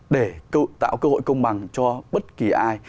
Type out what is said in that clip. để tạo cơ hội công bằng cho bất kỳ ai